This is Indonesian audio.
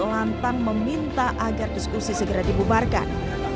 lantang meminta agar diskusi segera dibubarkan